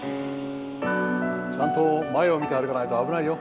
ちゃんと前を見て歩かないと危ないよ